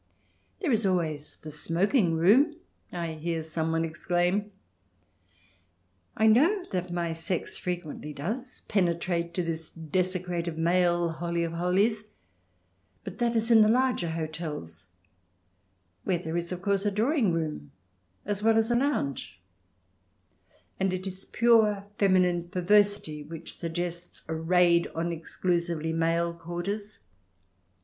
" There is always the smoking room," I hear someone exclaim, I know that my sex frequently does penetrate to this desecrated male holy of holies, but that is in the larger hotels, where there is, of course, a drawing room as well as a lounge, and it is pure feminine perversity which suggests a raid on exclusively male quarters.